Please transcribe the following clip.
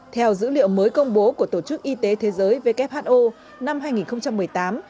theo dữ liệu mới công bố của tổ chức y tế thế giới who năm hai nghìn một mươi tám